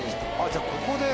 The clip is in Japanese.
じゃあここで。